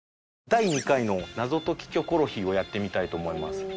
第２回の謎解きキョコロヒーをやってみたいと思います。